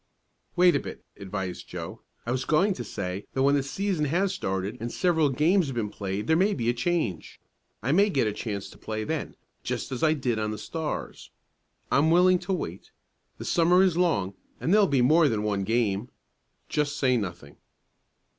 "Wait a bit," advised Joe. "I was going to say that when the season has started and several games have been played there may be a change. I may get a chance to play then, just as I did on the Stars. I'm willing to wait. The Summer is long, and there'll be more than one game. Just say nothing."